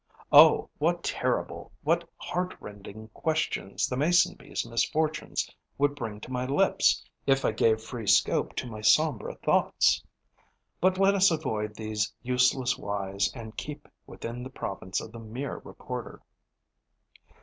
Oh, what terrible, what heart rending questions the Mason bee's misfortunes would bring to my lips, if I gave free scope to my sombre thoughts! But let us avoid these useless whys and keep within the province of the mere recorder.